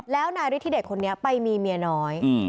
แล้วนายฤทธิเดชคนนี้ไปมีเมียน้อย